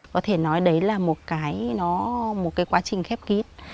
có thể nói đấy là một cái một cái quá trình khép kín